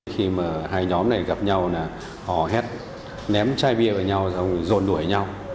khi mà hai nhóm này gặp nhau là họ hét ném chai bia vào nhau rồi rồn đuổi nhau